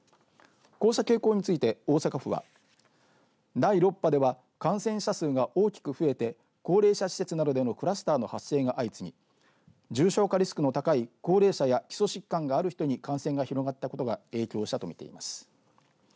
こうした傾向について大阪府は第６波では感染者数が大きく増えて高齢者施設などでのクラスターの発生が相次ぎ重症化リスクの高い高齢者や基礎疾患がある人に